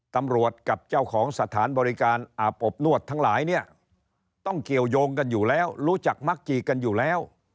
กับเจ้าของสถานบริการอาบอบนวดทั้งหลายเนี่ยต้องเกี่ยวยงกันอยู่แล้วรู้จักมักจีกันอยู่แล้ว